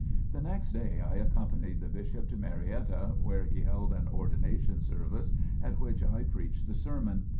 The next day I accompanied the Bishop to Marietta where he held an ordination service at which I preached the sermon.